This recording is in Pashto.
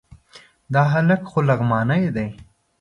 دا هلک خو لغمانی دی...